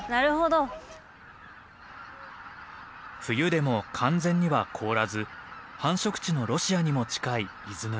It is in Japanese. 冬でも完全には凍らず繁殖地のロシアにも近い伊豆沼。